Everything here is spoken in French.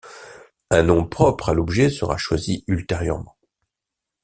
Un nom propre à l'objet sera choisi ultérieurement.